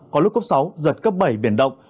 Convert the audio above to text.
có lúc cấp sáu giật cấp bảy biển động